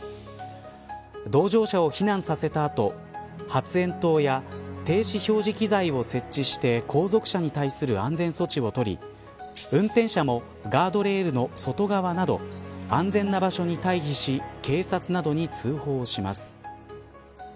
同乗者を避難させた後発炎筒や停止標示機材を設置して後続車に対する安全措置を取り運転者もガードレールの外側など安全な場所に退避し警察などに通報します。